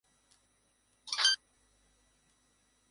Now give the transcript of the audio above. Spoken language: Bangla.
তুমি এক অন্ধ মেয়েকে দিল্লি কিভাবে দেখাবে?